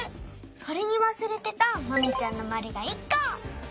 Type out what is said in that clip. それにわすれてたマミちゃんのまるが１こ！